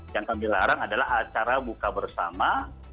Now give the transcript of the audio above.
yang akan dilarang adalah acara buka bersama